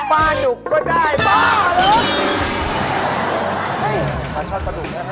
ปลาดุกก็ได้ปลาหรือ